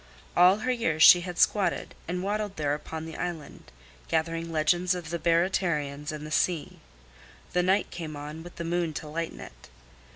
All her years she had squatted and waddled there upon the island, gathering legends of the Baratarians and the sea. The night came on, with the moon to lighten it.